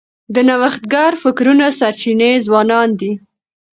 د نوښتګر فکرونو سرچینه ځوانان دي.